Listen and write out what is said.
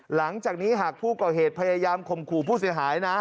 หลังจากนี้หากผู้ก่อเหตุพยายามข่มขู่ผู้เสียหายนะ